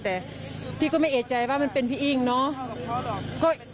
แต่พี่ก็ไม่เอกใจว่ามันเป็นพี่อิ้งเนาะ